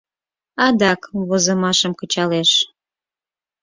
Адак возымашым кычалеш.